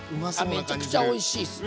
めちゃくちゃおいしいっす。